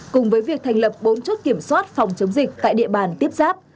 cùng với việc thành lập bốn chốt kiểm soát phòng chống dịch tại địa bàn tiếp giáp